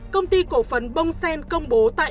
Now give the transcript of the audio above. công ty cổ phấn bongsen công bố tại